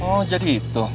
oh jadi itu